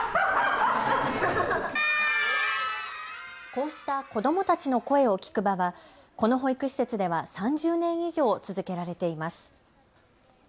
こうした子どもたちの声を聴く場はこの保育施設では３０年以上、続けられています。